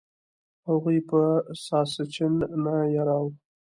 هغوی به ساسچن نه یراو.